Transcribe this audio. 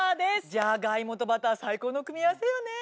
ジャガイモとバター最高の組み合わせよね。